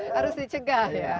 harus dicegah ya